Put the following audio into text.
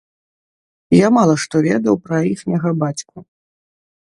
Я мала што ведаў пра іхняга бацьку.